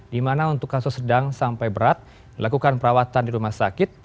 di mana untuk kasus sedang sampai berat lakukan perawatan di rumah sakit